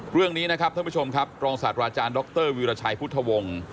เรื่องนี้นะครับท่านผู้ชมครับรองศาสตราอาจารย์ดรวีรชัยพุทธวงศ์